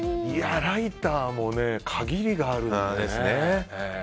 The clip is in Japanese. ライターも限りがあるんですよね。